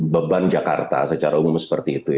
beban jakarta secara umum seperti itu